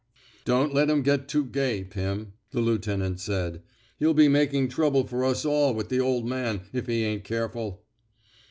Don't let him get too gay, Pim," the lieutenant said. He'll be maki^g trouble for us all with the old man, if he ain't care ful."